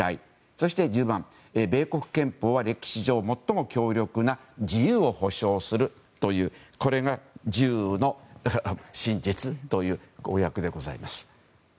そして１０番米国憲法は歴史上最も強力な自由を保障するというこれが「１０の真実」という公約でございます。